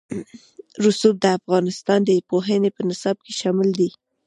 رسوب د افغانستان د پوهنې په نصاب کې شامل دي.